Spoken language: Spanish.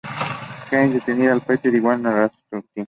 Kitty es detenida por Peter y Illyana Rasputín.